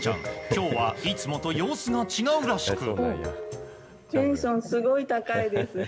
今日はいつもと様子が違うらしく。